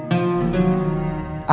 adalah guru abikara